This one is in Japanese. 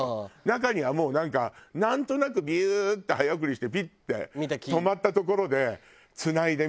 中にはもうなんかなんとなくビューッて早送りしてピッて止まったところでつないで見て終わりとか。